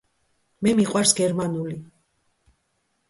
მე მიყვარს გერმანული